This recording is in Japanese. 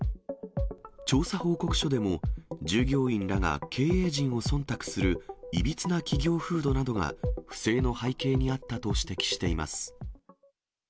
調査報告書でも、従業員らが経営陣をそんたくする、いびつな企業風土などが不正の背景にあったと指摘しています。